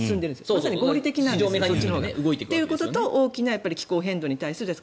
まさに合理的なんです。ということと大きな気候変動に対する。